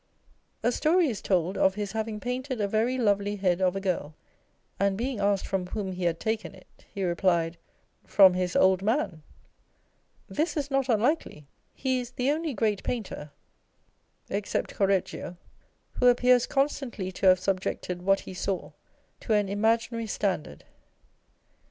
A story is told of his having painted a very lovely head of a girl, and being asked from whom he had taken it, he replied, " From his old man !" This is not unlikely. He is the only great painter (except Cor reggio) who appears constantly to have subjected what he saw to an imaginary standard.